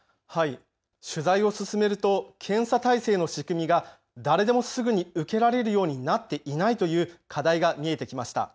取材を進めると検査体制の仕組みが誰でもすぐに受けられるようになっていないという課題が見えてきました。